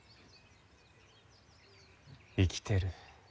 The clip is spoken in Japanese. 生きてる。